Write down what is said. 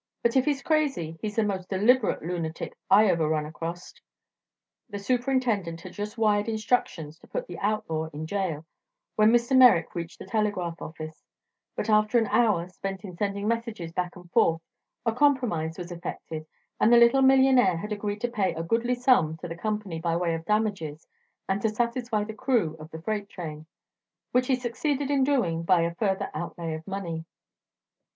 But if he's crazy he's the most deliberate loonatic I ever run acrost." The superintendent had just wired instructions to put the outlaw in jail when Mr. Merrick reached the telegraph office, but after an hour spent in sending messages back and forth a compromise was affected and the little millionaire had agreed to pay a goodly sum to the company by way of damages and to satisfy the crew of the freight train which he succeeded in doing by a further outlay of money.